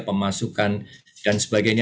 pemasukan dan sebagainya